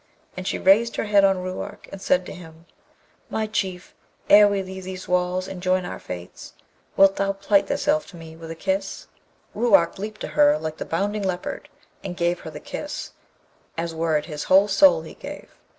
and she raised her head on Ruark, and said to him, 'my Chief, ere we leave these walls and join our fates, wilt thou plight thyself to me with a kiss?' Ruark leapt to her like the bounding leopard, and gave her the kiss, as were it his whole soul he gave.